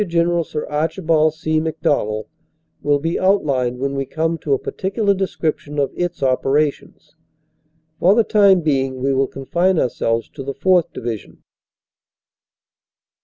General Sir Archibald C. Macdonell, will be outlined when we come to a particular description of its opera tions. For the time being we will confine ourselves to the 4th. Division.